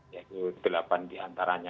yaitu delapan di antaranya